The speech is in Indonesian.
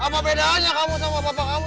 apa bedaannya kamu sama bapak kamu